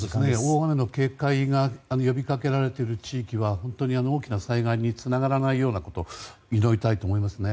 大雨の警戒が呼びかけられている地域は本当に大きな災害につながらないようなこと祈りたいと思います。